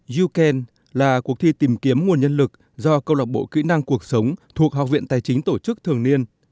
you can là cuộc thi tìm kiếm nguồn nhân lực do câu lạc bộ kỹ năng cuộc sống thuộc học viện tài chính tổ chức thường niên